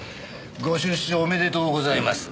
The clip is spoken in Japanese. ご出所おめでとうございます。